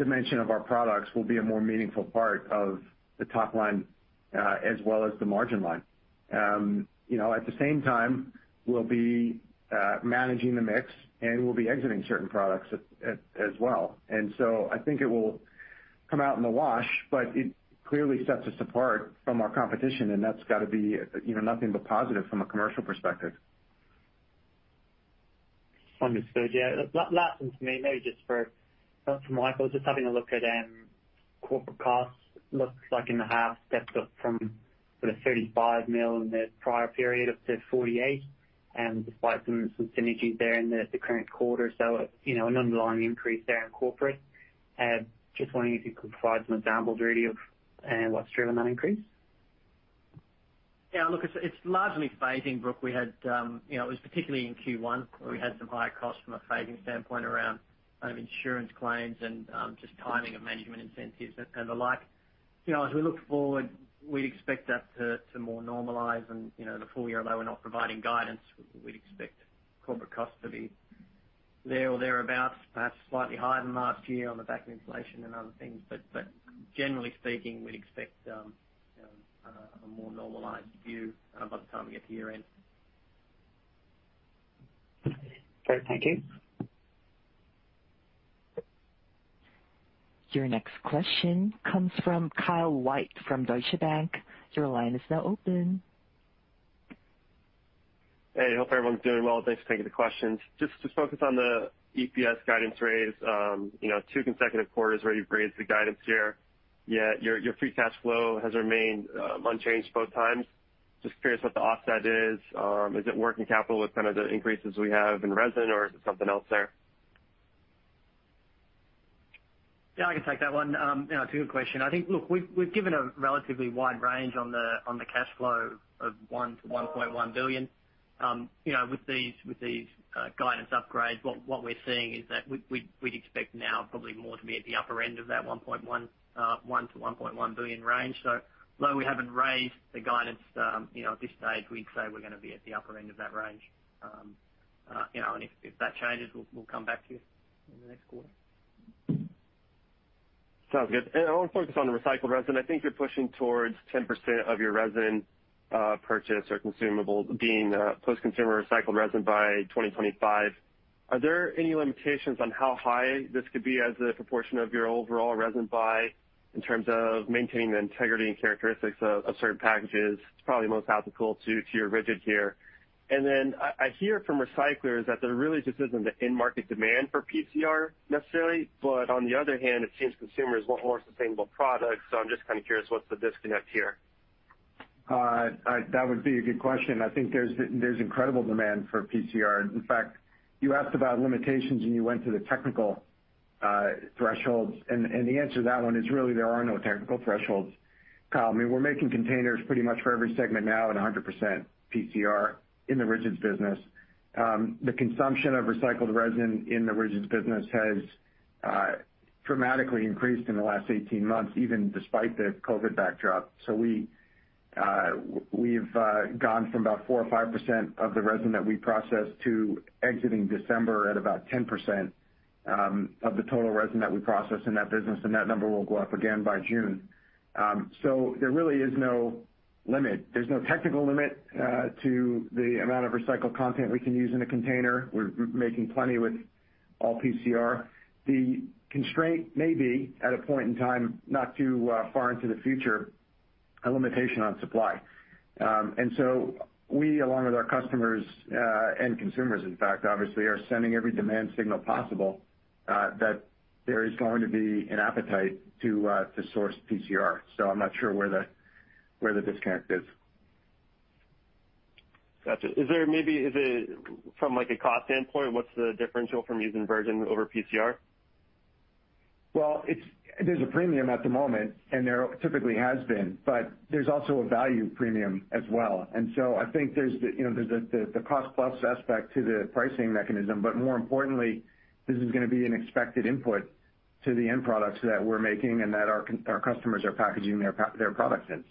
dimension of our products will be a more meaningful part of the top line as well as the margin line. At the same time, we'll be managing the mix and we'll be exiting certain products as well. I think it will come out in the wash, but it clearly sets us apart from our competition, and that's got to be nothing but positive from a commercial perspective. Understood. Yeah. Last one from me. Maybe just for Michael, just having a look at corporate costs. Looks like in the half, stepped up from sort of $35 million in the prior period up to $48 million, despite some synergies there in the current quarter. An underlying increase there in corporate. Just wondering if you could provide some examples really of what's driven that increase. Yeah, look, it's largely phasing, Brook. It was particularly in Q1 where we had some higher costs from a phasing standpoint around insurance claims and just timing of management incentives and the like. As we look forward, we'd expect that to more normalize and the full year, although we're not providing guidance, we'd expect corporate costs to be there or thereabout, perhaps slightly higher than last year on the back of inflation and other things. Generally speaking, we'd expect a more normalized view by the time we get to year-end. Okay, thank you. Your next question comes from Kyle White from Deutsche Bank. Hey, hope everyone's doing well. Thanks. Thank you for the questions. Just to focus on the EPS guidance raise. Two consecutive quarters where you've raised the guidance here, yet your free cash flow has remained unchanged both times. Just curious what the offset is. Is it working capital with kind of the increases we have in resin, or is it something else there? Yeah, I can take that one. It's a good question. I think, look, we've given a relatively wide range on the cash flow of $1 billion-$1.1 billion. With these guidance upgrades, what we're seeing is that we'd expect now probably more to be at the upper end of that $1 billion-$1.1 billion range. Although we haven't raised the guidance, at this stage, we'd say we're going to be at the upper end of that range. If that changes, we'll come back to you in the next quarter. Sounds good. I want to focus on the recycled resin. I think you're pushing towards 10% of your resin purchase or consumables being post-consumer recycled resin by 2025. Are there any limitations on how high this could be as a proportion of your overall resin buy in terms of maintaining the integrity and characteristics of certain packages? It's probably most applicable to your Rigids here. I hear from recyclers that there really just isn't the in-market demand for PCR necessarily, but on the other hand, it seems consumers want more sustainable products. I'm just kind of curious, what's the disconnect here? That would be a good question. I think there's incredible demand for PCR. In fact, you asked about limitations, you went to the technical thresholds, the answer to that one is really there are no technical thresholds, Kyle. We're making containers pretty much for every segment now at 100% PCR in the Rigids business. The consumption of recycled resin in the Rigids business has dramatically increased in the last 18 months, even despite the COVID backdrop. We've gone from about 4% or 5% of the resin that we process to exiting December at about 10% of the total resin that we process in that business, that number will go up again by June. There really is no limit. There's no technical limit to the amount of recycled content we can use in a container. We're making plenty with all PCR. The constraint may be at a point in time, not too far into the future, a limitation on supply. We, along with our customers, and consumers, in fact, obviously, are sending every demand signal possible that there is going to be an appetite to source PCR. I'm not sure where the disconnect is. Got you. From, like, a cost standpoint, what's the differential from using virgin over PCR? There's a premium at the moment, and there typically has been. There's also a value premium as well. I think there's the cost-plus aspect to the pricing mechanism. More importantly, this is going to be an expected input to the end products that we're making and that our customers are packaging their products in.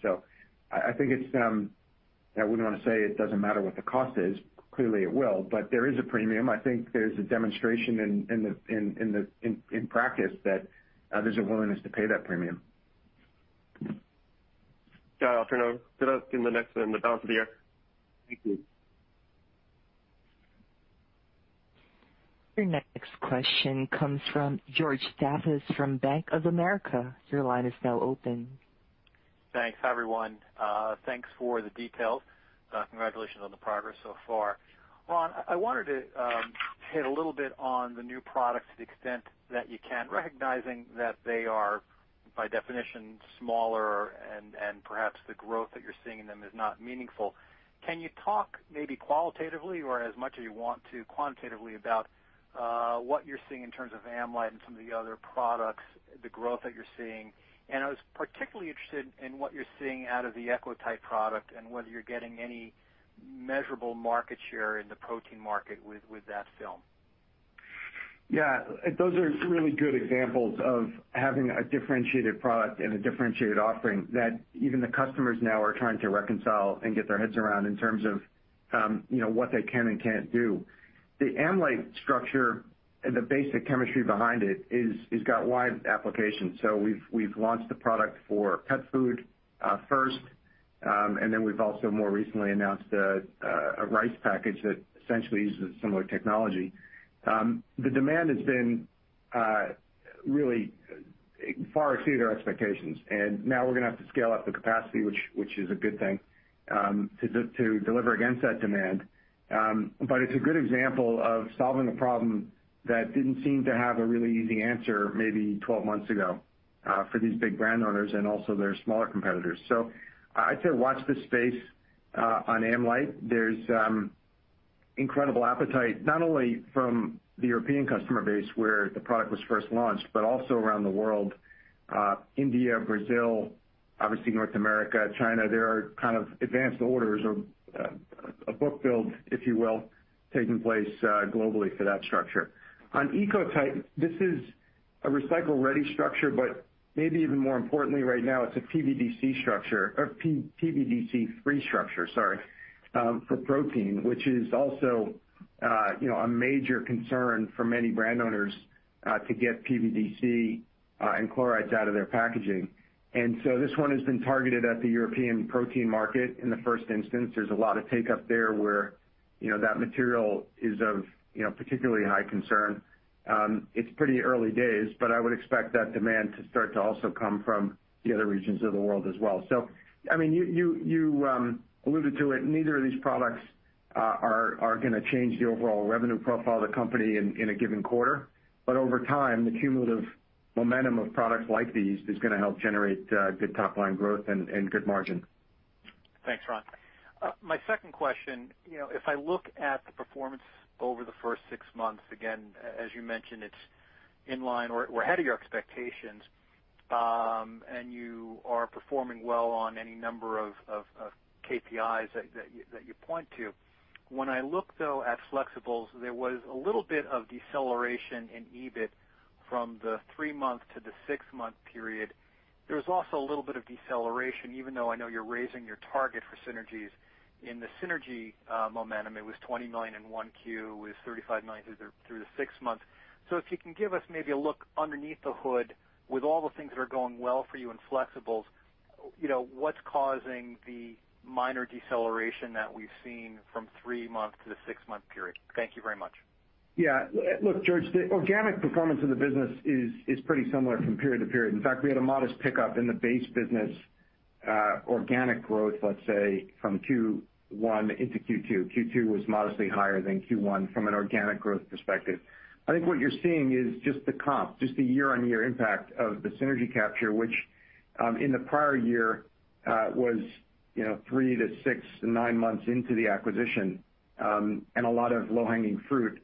I think I wouldn't want to say it doesn't matter what the cost is. Clearly, it will, but there is a premium. I think there's a demonstration in practice that there's a willingness to pay that premium. Yeah, I'll turn over to the next in the balance of the year. Thank you. Your next question comes from George Staphos from Bank of America. Your line is now open. Thanks, everyone. Thanks for the details. Congratulations on the progress so far. Ron, I wanted to hit a little bit on the new products to the extent that you can, recognizing that they are, by definition, smaller and perhaps the growth that you're seeing in them is not meaningful. Can you talk maybe qualitatively or as much as you want to quantitatively about what you're seeing in terms of AmLite and some of the other products, the growth that you're seeing? I was particularly interested in what you're seeing out of the Eco-Tite product and whether you're getting any measurable market share in the protein market with that film. Yeah. Those are some really good examples of having a differentiated product and a differentiated offering that even the customers now are trying to reconcile and get their heads around in terms of what they can and can't do. The AmLite structure and the basic chemistry behind it has got wide application. We've launched the product for pet food first, and then we've also more recently announced a rice package that essentially uses a similar technology. The demand has been really far exceeded our expectations, and now we're going to have to scale up the capacity, which is a good thing, to deliver against that demand. It's a good example of solving a problem that didn't seem to have a really easy answer maybe 12 months ago for these big brand owners and also their smaller competitors. I'd say watch this space on AmLite. There's incredible appetite, not only from the European customer base where the product was first launched, but also around the world. India, Brazil, obviously North America, China. There are kind of advanced orders or a book build, if you will, taking place globally for that structure. On Eco-Tite, this is a recycle-ready structure, but maybe even more importantly right now, it's a PVDC structure, or PVDC-free structure, sorry, for protein, which is also a major concern for many brand owners to get PVDC and chlorides out of their packaging. This one has been targeted at the European protein market in the first instance. There's a lot of take-up there where that material is of particularly high concern. It's pretty early days, but I would expect that demand to start to also come from the other regions of the world as well. You alluded to it, neither of these products are going to change the overall revenue profile of the company in a given quarter. Over time, the cumulative momentum of products like these is going to help generate good top-line growth and good margin. Thanks, Ron. My second question. If I look at the performance over the first six months, again, as you mentioned, it's in line or ahead of your expectations, and you are performing well on any number of KPIs that you point to. When I look, though, at Flexibles, there was a little bit of deceleration in EBIT from the three month to the six month period. There was also a little bit of deceleration, even though I know you're raising your target for synergies in the synergy momentum. It was $29 million in 1Q. It was $35 million through the six months. If you can give us maybe a look underneath the hood with all the things that are going well for you in Flexibles, what's causing the minor deceleration that we've seen from three months to the six month period? Thank you very much. Look, George, the organic performance of the business is pretty similar from period to period. In fact, we had a modest pickup in the base business organic growth, let's say, from Q1 into Q2. Q2 was modestly higher than Q1 from an organic growth perspective. I think what you're seeing is just the comp, just the year-on-year impact of the synergy capture, which, in the prior year, was three to six, nine months into the acquisition. A lot of low-hanging fruit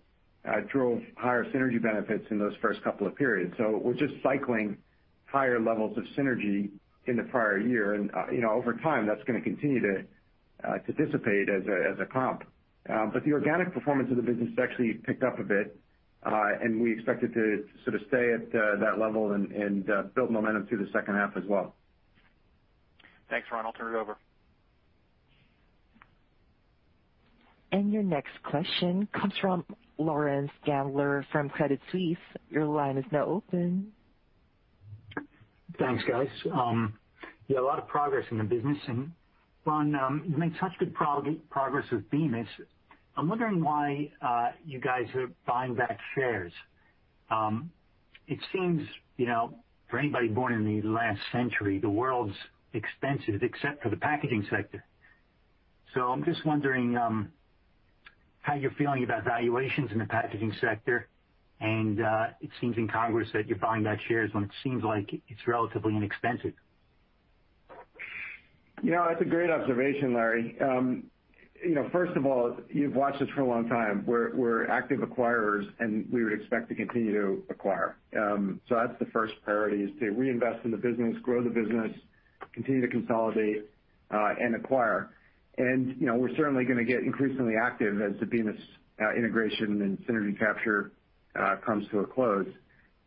drove higher synergy benefits in those first couple of periods. We're just cycling higher levels of synergy in the prior year, and over time, that's going to continue to dissipate as a comp. The organic performance of the business has actually picked up a bit, and we expect it to sort of stay at that level and build momentum through the second half as well. Thanks, Ron. I'll turn it over. Your next question comes from Lawrence Gandler from Credit Suisse. Your line is now open. Thanks, guys. Yeah, a lot of progress in the business. Ron, you've made such good progress with Bemis. I'm wondering why you guys are buying back shares. It seems, for anybody born in the last century, the world's expensive except for the packaging sector. I'm just wondering how you're feeling about valuations in the packaging sector, and it seems in congruence that you're buying back shares when it seems like it's relatively inexpensive. That's a great observation, Larry. First of all, you've watched us for a long time. We're active acquirers. We would expect to continue to acquire. That's the first priority is to reinvest in the business, grow the business, continue to consolidate and acquire. We're certainly going to get increasingly active as the Bemis integration and synergy capture comes to a close.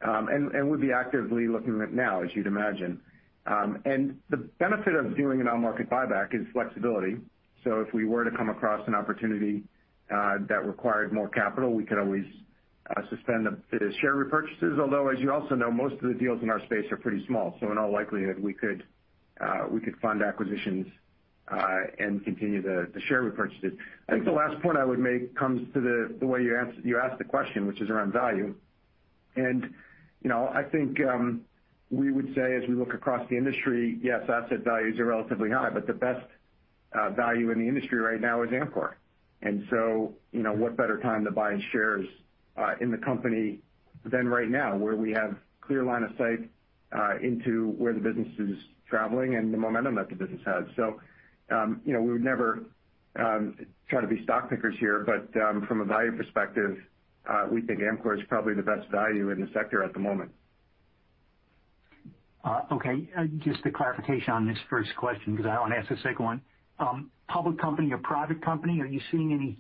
We'll be actively looking at it now, as you'd imagine. The benefit of doing an on-market buyback is flexibility. If we were to come across an opportunity that required more capital, we could always suspend the share repurchases. As you also know, most of the deals in our space are pretty small. In all likelihood, we could fund acquisitions and continue the share repurchases. I think the last point I would make comes to the way you asked the question, which is around value. I think we would say as we look across the industry, yes, asset values are relatively high, but the best value in the industry right now is Amcor. What better time to buy shares in the company than right now, where we have clear line of sight into where the business is traveling and the momentum that the business has. We would never try to be stock pickers here, but from a value perspective, we think Amcor is probably the best value in the sector at the moment. Just a clarification on this first question, because I want to ask a second one. Public company or private company, are you seeing any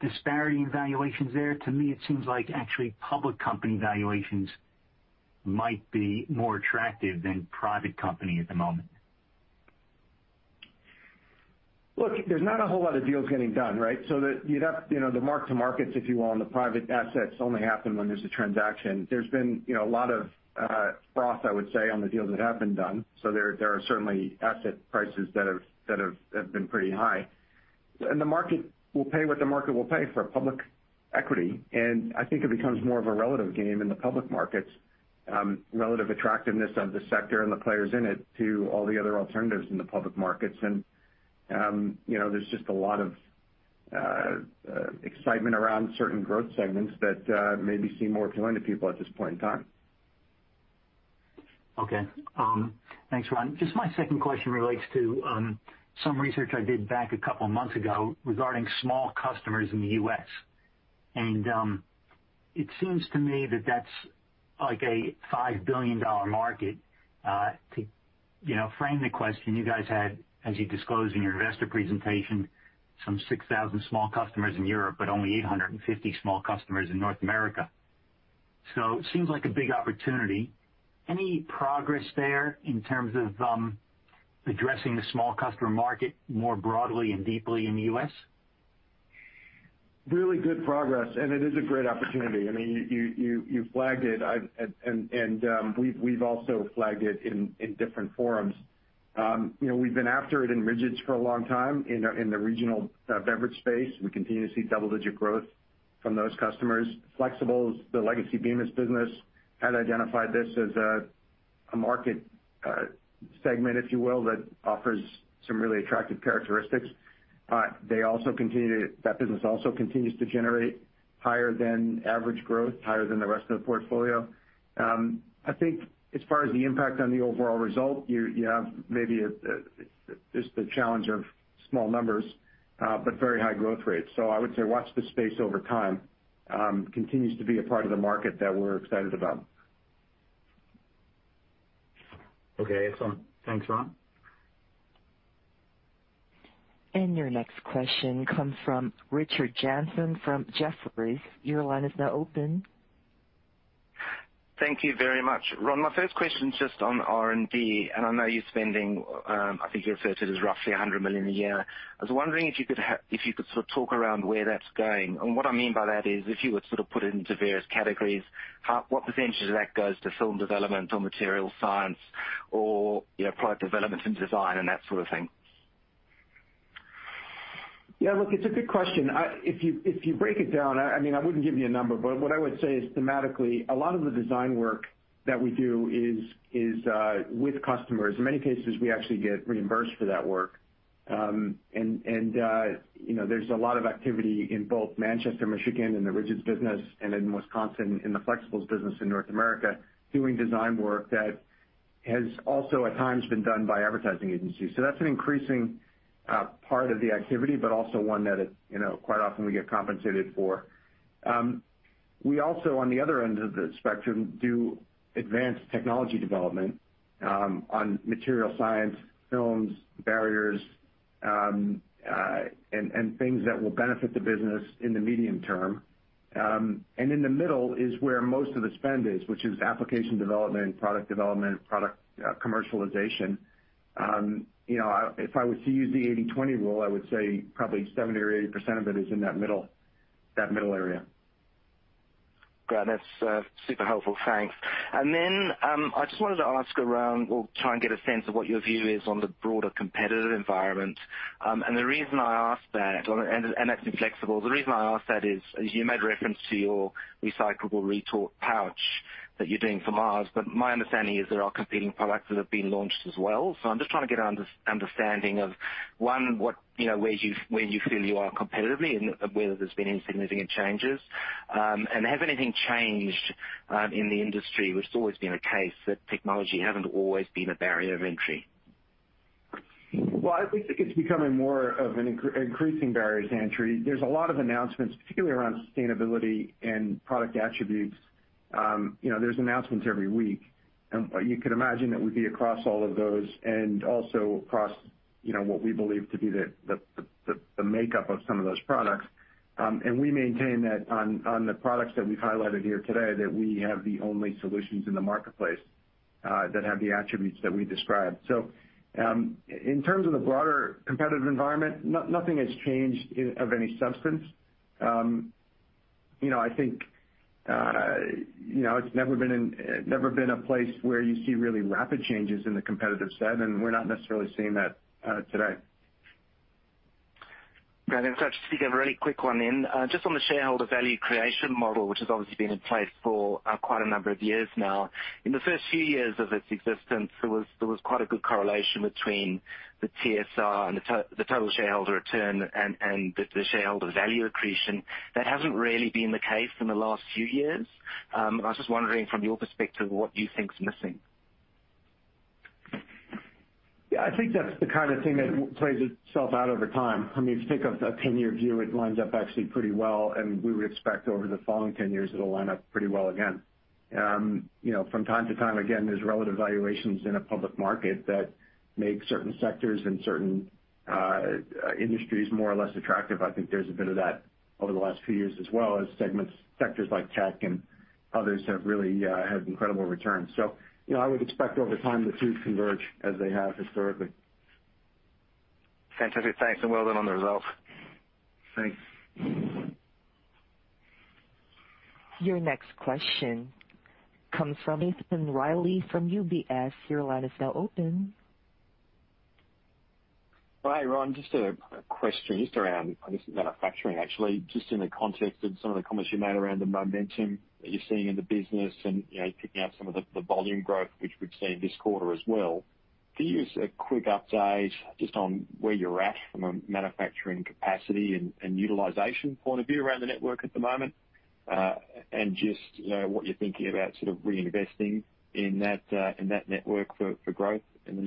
disparity in valuations there? To me, it seems like actually public company valuations might be more attractive than private company at the moment. Look, there's not a whole lot of deals getting done, right? The mark-to-markets, if you will, on the private assets only happen when there's a transaction. There's been a lot of froth, I would say, on the deals that have been done. There are certainly asset prices that have been pretty high. The market will pay what the market will pay for public equity, and I think it becomes more of a relative game in the public markets, relative attractiveness of the sector and the players in it to all the other alternatives in the public markets. There's just a lot of excitement around certain growth segments that maybe seem more appealing to people at this point in time. Okay. Thanks, Ron. Just my second question relates to some research I did back a couple of months ago regarding small customers in the U.S. It seems to me that that's like a $5 billion market. To frame the question, you guys had, as you disclosed in your investor presentation, some 6,000 small customers in Europe, but only 850 small customers in North America. It seems like a big opportunity. Any progress there in terms of addressing the small customer market more broadly and deeply in the U.S.? Really good progress. It is a great opportunity. You flagged it. We've also flagged it in different forums. We've been after it in Rigids for a long time in the regional beverage space. We continue to see double-digit growth from those customers. Flexibles, the legacy Bemis business, had identified this as a market segment, if you will, that offers some really attractive characteristics. That business also continues to generate higher than average growth, higher than the rest of the portfolio. I think as far as the impact on the overall result, you have maybe just the challenge of small numbers, but very high growth rates. I would say watch this space over time. Continues to be a part of the market that we're excited about. Okay. Excellent. Thanks, Ron. Your next question comes from Richard Johnson from Jefferies. Your line is now open. Thank you very much. Ron, my first question is just on R&D. I know you're spending, I think you referred to it as roughly $100 million a year. I was wondering if you could sort of talk around where that's going. What I mean by that is, if you were to sort of put it into various categories, what % of that goes to film development or material science or product development and design and that sort of thing? Yeah, look, it's a good question. If you break it down, I wouldn't give you a number, but what I would say is thematically, a lot of the design work that we do is with customers. In many cases, we actually get reimbursed for that work. There's a lot of activity in both Manchester, Michigan in the Rigids business and in Wisconsin in the Flexibles business in North America, doing design work that has also at times been done by advertising agencies. That's an increasing part of the activity, but also one that quite often we get compensated for. We also, on the other end of the spectrum, do advanced technology development on material science, films, barriers, and things that will benefit the business in the medium term. In the middle is where most of the spend is, which is application development, product development, product commercialization. If I were to use the 80/20 rule, I would say probably 70% or 80% of it is in that middle area. Great. That's super helpful. Thanks. I just wanted to ask around or try and get a sense of what your view is on the broader competitive environment. The reason I ask that, and that's in flexibles, the reason I ask that is you made reference to your recyclable retort pouch that you're doing for Mars, but my understanding is there are competing products that have been launched as well. I'm just trying to get an understanding of, one, where you feel you are competitively and whether there's been any significant changes. Has anything changed in the industry, which has always been a case that technology hasn't always been a barrier of entry? Well, I think it's becoming more of an increasing barriers to entry. There's a lot of announcements, particularly around sustainability and product attributes. There's announcements every week. You could imagine that we'd be across all of those and also across what we believe to be the makeup of some of those products. We maintain that on the products that we've highlighted here today, that we have the only solutions in the marketplace that have the attributes that we described. In terms of the broader competitive environment, nothing has changed of any substance. I think it's never been a place where you see really rapid changes in the competitive set, and we're not necessarily seeing that today. Great. I'll just stick a really quick one in. Just on the shareholder value creation model, which has obviously been in place for quite a number of years now. In the first few years of its existence, there was quite a good correlation between the TSR and the total shareholder return and the shareholder value accretion. That hasn't really been the case in the last few years. I was just wondering from your perspective, what you think is missing? I think that's the kind of thing that plays itself out over time. If you think of a 10-year view, it lines up actually pretty well, and we would expect over the following 10 years, it'll line up pretty well again. From time to time, again, there's relative valuations in a public market that make certain sectors and certain industries more or less attractive. I think there's a bit of that over the last few years as well as segments. Sectors like tech and others have really had incredible returns. I would expect over time, the two converge as they have historically. Fantastic. Thanks, and well done on the results. Thanks. Your next question comes from Nathan Reilly from UBS. Your line is now open. Hi, Ron. Just a question just around, I guess, the manufacturing actually, just in the context of some of the comments you made around the momentum that you're seeing in the business and picking up some of the volume growth, which we've seen this quarter as well. Can you give us a quick update just on where you're at from a manufacturing capacity and utilization point of view around the network at the moment? Just what you're thinking about sort of reinvesting in that network for growth in the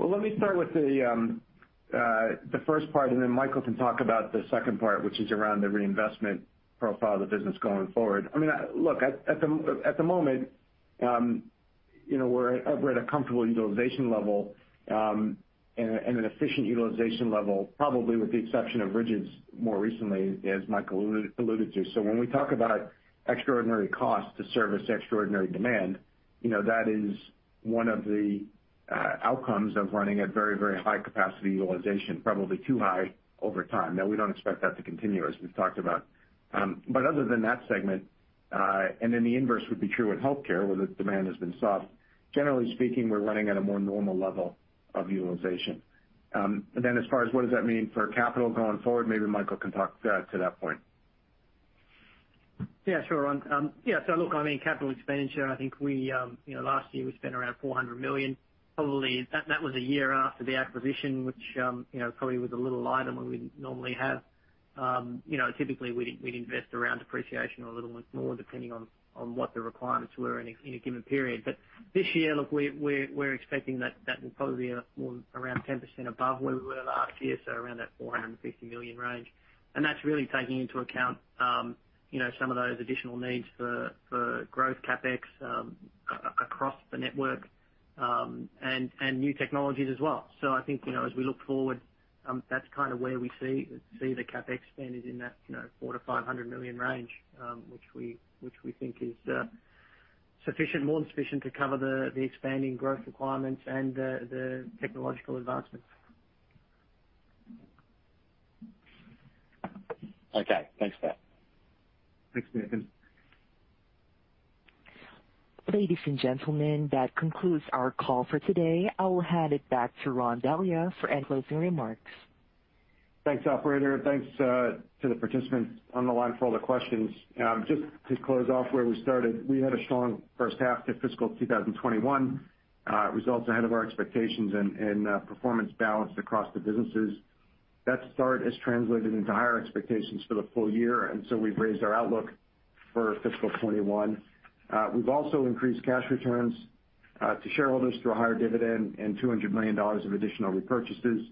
near term. Let me start with the first part, and then Michael can talk about the second part, which is around the reinvestment profile of the business going forward. Look, at the moment, we're at a comfortable utilization level, and an efficient utilization level, probably with the exception of Rigids more recently, as Michael alluded to. When we talk about extraordinary costs to service extraordinary demand, that is one of the outcomes of running at very, very high capacity utilization, probably too high over time. Now, we don't expect that to continue, as we've talked about. Other than that segment, and then the inverse would be true with healthcare, where the demand has been soft. Generally speaking, we're running at a more normal level of utilization. As far as what does that mean for capital going forward, maybe Michael can talk to that point. Yeah, sure, Ron. Look, capital expenditure, I think last year we spent around $400 million. That was a year after the acquisition, which probably was a little lighter than we normally have. Typically, we'd invest around depreciation or a little bit more, depending on what the requirements were in a given period. This year, look, we're expecting that will probably be around 10% above where we were last year, so around that $450 million range. That's really taking into account some of those additional needs for growth CapEx across the network, and new technologies as well. I think, as we look forward, that's kind of where we see the CapEx spend is in that $400 million-$500 million range, which we think is more than sufficient to cover the expanding growth requirements and the technological advancements. Okay, thanks for that. Thanks, Nathan. Ladies and gentlemen, that concludes our call for today. I will hand it back to Ron Delia for any closing remarks. Thanks, operator. Thanks to the participants on the line for all the questions. Just to close off where we started, we had a strong first half to fiscal 2021. Results ahead of our expectations and performance balanced across the businesses. That start has translated into higher expectations for the full year. We've raised our outlook for fiscal 2021. We've also increased cash returns to shareholders through a higher dividend and $200 million of additional repurchases.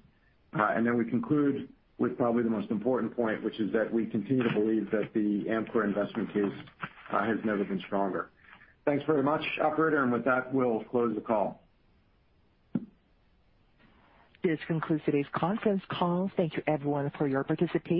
We conclude with probably the most important point, which is that we continue to believe that the Amcor investment case has never been stronger. Thanks very much, operator. With that, we'll close the call. This concludes today's conference call. Thank you everyone for your participation.